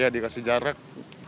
ya dikasih jarak